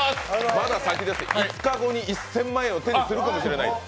まだ先です、５日後に１０００万円を手にするかもしれない。